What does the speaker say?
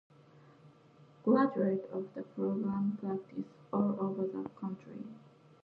Graduates of the program practice all over the country.